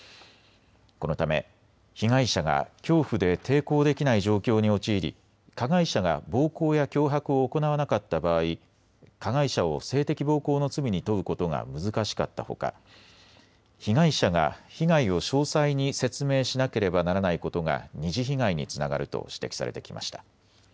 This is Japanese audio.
このため被害者が恐怖で抵抗できない状況に陥り加害者が暴行や脅迫を行わなかった場合、加害者を性的暴行の罪に問うことが難しかったほか被害者が被害を詳細に説明しなければならないことが２次被害につながると指摘されてきました。